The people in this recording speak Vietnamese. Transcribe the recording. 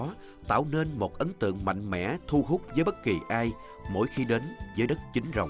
đó tạo nên một ấn tượng mạnh mẽ thu hút với bất kỳ ai mỗi khi đến với đất chính rồng